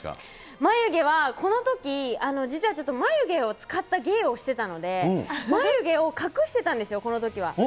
眉毛は、このとき、実はちょっと眉毛を使った芸をしてたので、眉毛を隠してたんですよ、このときは。